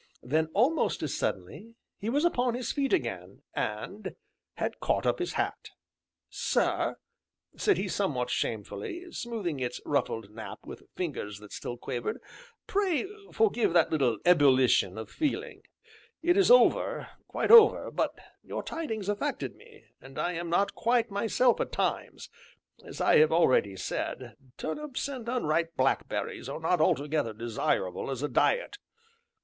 Then, almost as suddenly, he was upon his feet again, and had caught up his hat. "Sir," said he somewhat shamefacedly, smoothing its ruffled nap with fingers that still quivered, "pray forgive that little ebullition of feeling; it is over quite over, but your tidings affected me, and I am not quite myself at times; as I have already said, turnips and unripe blackberries are not altogether desirable as a diet."